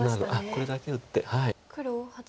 これだけ打って。